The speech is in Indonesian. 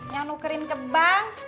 yang nukerin ke bank